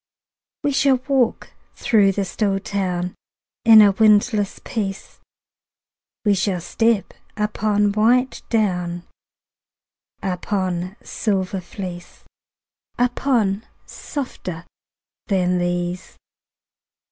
We shall walk through the still town In a windless peace; We shall step upon white down, Upon silver fleece, Upon softer than these.